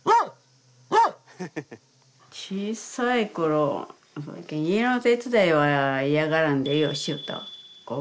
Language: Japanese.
小さい頃家の手伝いは嫌がらんでようしよったわ。